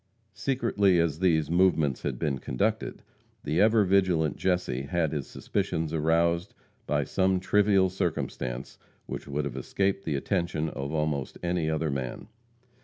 Secretly as these movements had been conducted, the ever vigilant Jesse had his suspicions aroused by some trivial circumstance, which would have escaped the attention of almost any other man.